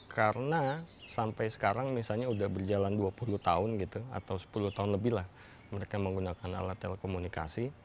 karena sampai sekarang misalnya sudah berjalan dua puluh tahun atau sepuluh tahun lebih mereka menggunakan alat telekomunikasi